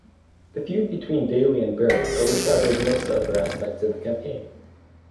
The feud between Daley and Byrne overshadowed most other aspects of the campaign.